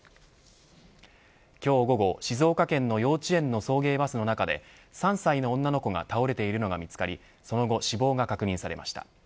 今日、午後、静岡県の幼稚園の送迎バスの中で３歳の女の子が倒れているのが見つかりその後、死亡が確認されました。